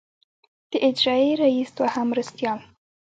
د اجرائیه رییس دوهم مرستیال.